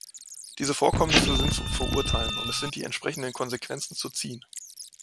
Diese Vorkommnisse sind zu verurteilen, und es sind die entsprechenden Konsequenzen zu ziehen.